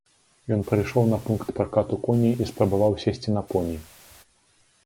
Ён прыйшоў на пункт пракату коней і спрабаваў сесці на поні.